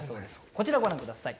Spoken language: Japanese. こちらご覧下さい。